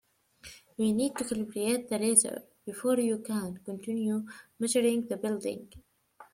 We need to calibrate the laser before you can continue measuring the building.